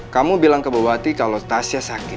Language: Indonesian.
kamu bilang ke bawati kalau tasya sakit